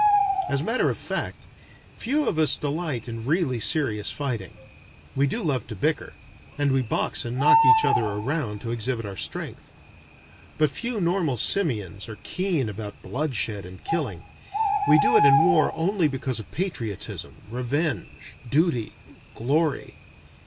As a matter of fact, few of us delight in really serious fighting. We do love to bicker; and we box and knock each other around, to exhibit our strength; but few normal simians are keen about bloodshed and killing; we do it in war only because of patriotism, revenge, duty, glory.